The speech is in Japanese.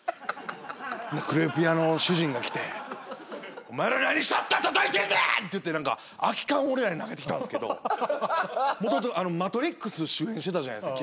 クレープ屋の主人が来て「お前ら何シャッターたたいてんねん！」って言って何か空き缶を俺らに投げてきたんすけどもともとあの『マトリックス』主演してたじゃないっすかキアヌ。